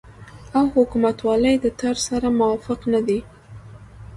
او حکومتولۍ د طرز سره موافق نه دي